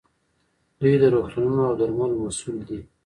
دوی د روغتونونو او درملو مسوول دي.